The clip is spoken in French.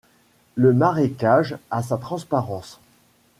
Le marécage a sa transparence.